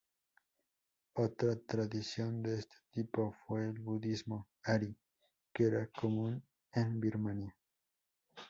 Otra tradición de este tipo fue el budismo Ari, que era común en Birmania.